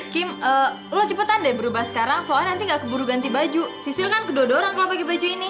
kim lo cepetan deh berubah sekarang soalnya nanti gak keburu ganti baju sisil kan kedua dorong kalau bagi baju ini